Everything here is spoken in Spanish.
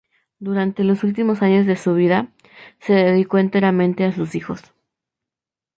Durante los últimos años de su vida, se dedicó enteramente a sus hijos.